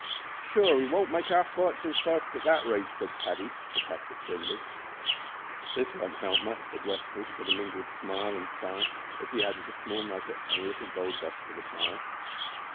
"Sure, we won't make our fortins fast at that rate," said Paddy, or Patrick Flinders. "This won't help it much," said Westly, with a mingled smile and sigh, as he added a small nugget and a little gold dust to the pile.